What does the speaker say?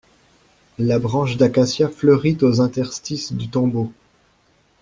La branche d'acacia fleurit aux interstices du tombeau.